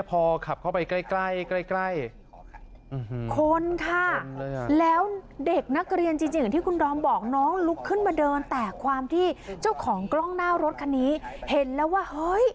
พอขับเข้าไปใกล้ใกล้คนค่ะแล้วเด็กนักเรียนจริงอย่างที่คุณดอมบอกน้องลุกขึ้นมาเดินแต่ความที่เจ้าของกล้องหน้ารถคันนี้เห็นแล้วว่าเฮ้ย